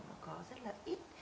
nó có rất là ít